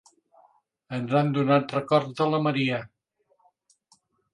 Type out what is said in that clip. Ens han donat records de la Maria.